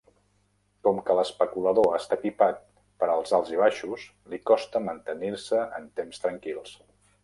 Com que l'especulador està equipat per als alt-i-baixos, li costa mantenir-se en temps tranquils.